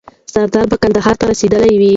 سردار به کندهار ته رسېدلی وي.